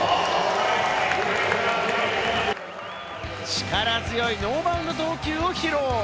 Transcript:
力強いノーバウンド投球を披露。